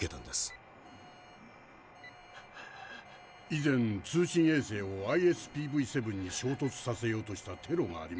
以前通信衛星をＩＳＰＶ−７に衝突させようとしたテロがありましたね。